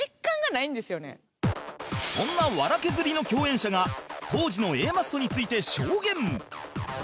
そんな『笑けずり』の共演者が当時の Ａ マッソについて証言